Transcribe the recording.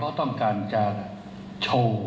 แต่คนที่ลงมือเนี่ยไม่รู้ว่าทหารของฝ่ายใด